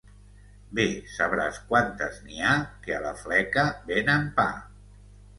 Bé sabràs quantes n'hi ha que a la fleca venen pa.